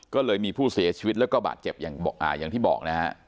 ก็เลยมีผู้เสียชีวิตแล้วก็บาดเจ็บอย่างที่บอกนะฮะ